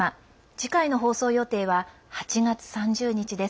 次回の放送予定は８月３０日です。